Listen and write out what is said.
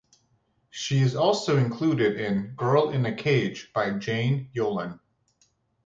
She is also included in "Girl in a Cage" by Jane Yolen.